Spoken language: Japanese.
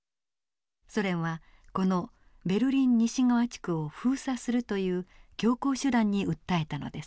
ソ連はこのベルリン西側地区を封鎖するという強硬手段に訴えたのです。